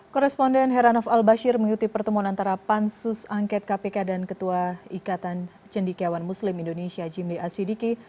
koresponden heranov al bashir mengikuti pertemuan antara pansus angket kpk dan ketua ikatan cendikiawan muslim indonesia jimli asyidiki